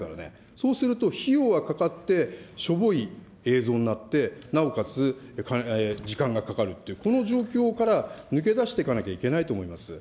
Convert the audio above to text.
そうすると、費用はかかって、しょぼい映像になって、なおかつ時間がかかるという、この状況から抜け出していかなきゃいけないと思います。